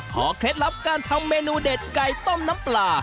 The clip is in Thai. เคล็ดลับการทำเมนูเด็ดไก่ต้มน้ำปลา